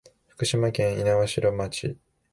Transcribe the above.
福島県猪苗代町